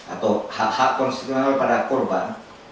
atau hak hak konstitusional pada korban